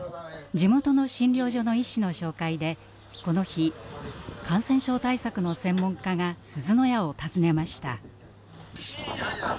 地元の診療所の医師の紹介でこの日感染症対策の専門家がすずの家を訪ねました。